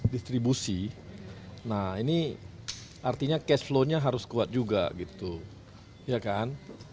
distribusi nah ini artinya cash flow nya harus kuat juga gitu ya kan